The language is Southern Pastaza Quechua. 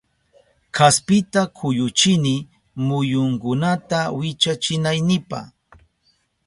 Kaspita kuyuchini muyunkunata wichachinaynipa